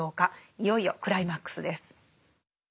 いよいよクライマックスです。